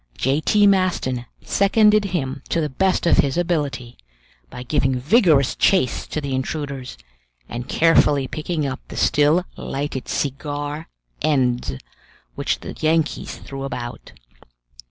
J. T. Maston seconded him to the best of his ability, by giving vigorous chase to the intruders, and carefully picking up the still lighted cigar ends which the Yankees threw about.